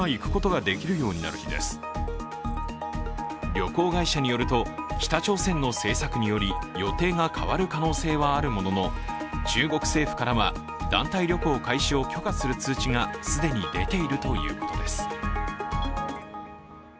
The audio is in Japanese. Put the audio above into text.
旅行会社によると、北朝鮮の政策により予定が変わる可能性はあるものの、中国政府からは団体旅行開始を許可する通知が既に出ているということです。